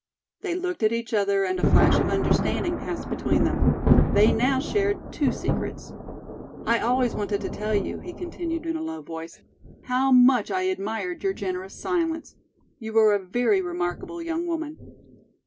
They looked at each other and a flash of understanding passed between them. They now shared two secrets. "I always wanted to tell you," he continued in a low voice, "how much I admired your generous silence. You are a very remarkable young woman."